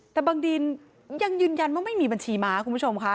แต่บางดีนยังยืนยันว่าไม่มีบัญชีม้าคุณผู้ชมค่ะ